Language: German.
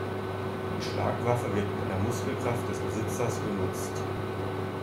Die Schlagwaffe wird mit der Muskelkraft des Besitzers genutzt.